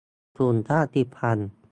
กลุ่มชาติพันธุ์